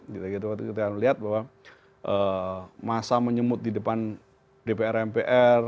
waktu kita lihat bahwa masa menyemut di depan dpr mpr